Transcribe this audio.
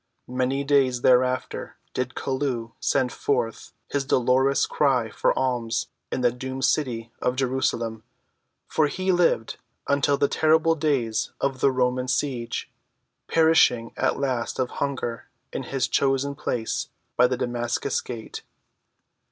Many days thereafter did Chelluh send forth his dolorous cry for alms in the doomed city of Jerusalem, for he lived until the terrible days of the Roman siege, perishing at last of hunger in his chosen place by the Damascus gate.